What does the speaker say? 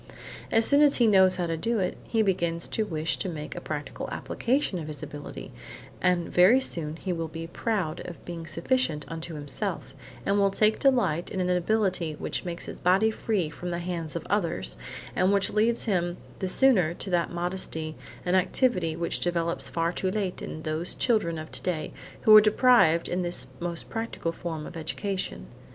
As soon as he knows how to do it, he begins to wish to make a practical application of his ability, and very soon he will be proud of being sufficient unto himself, and will take delight in an ability which makes his body free from the hands of others, and which leads him the sooner to that modesty and activity which develops far too late in those children of today who are deprived of this most practical form of education.